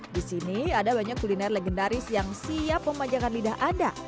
di sini ada banyak kuliner legendaris yang siap memanjakan lidah anda